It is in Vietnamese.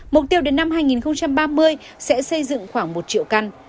mục tiêu đến năm hai nghìn ba mươi sẽ xây dựng khoảng một triệu căn